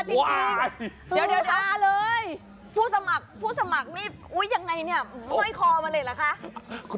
หื้อหาจริงหื้อหาเลยผู้สมัครผู้สมัครนี่อย่างไรเนี่ยห้อยคอมาเลยเหรอคะ